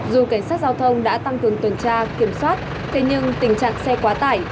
dù cảnh sát giao thông đã tăng cường tuần tra kiểm soát thế nhưng tình trạng xe quá tải